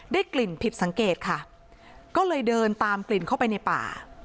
กลิ่นผิดสังเกตค่ะก็เลยเดินตามกลิ่นเข้าไปในป่า